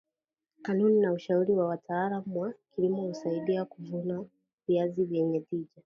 kanuni na ushauri wa wataalam wa kilimo husaidia kuvuna viazi vyenye tija